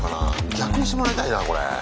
逆にしてもらいたいなこれ。